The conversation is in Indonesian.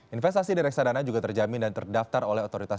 investasi di reksadana juga terjamin dan terdaftar oleh otoritas